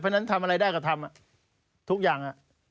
เพราะฉะนั้นทำอะไรได้ก็ทำทุกอย่าง